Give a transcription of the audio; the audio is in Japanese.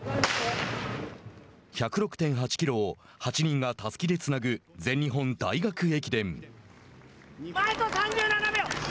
１０６．８キロを８人がたすきでつなぐ全日本大学駅伝。